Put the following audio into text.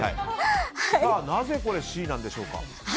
なぜＣなんでしょうか？